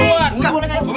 saya mau ngelamar bu